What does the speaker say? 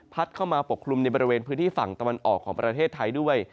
เข้ามาปกคลุมในบริเวณพื้นที่ฝั่งตะวันออกของประเทศไทยด้วย